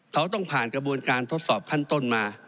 เขาต้องผ่านกระบวนการทดสอบขั้นต้นมา